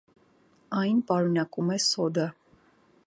Այն պարունակում է սոդա։